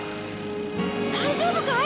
大丈夫かい？